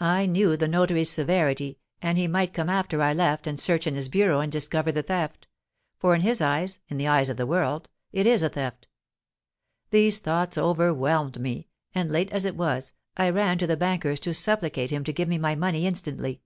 I knew the notary's severity, and he might come after I left and search in his bureau and discover the theft; for in his eyes in the eyes of the world it is a theft. These thoughts overwhelmed me, and, late as it was, I ran to the banker's to supplicate him to give me my money instantly.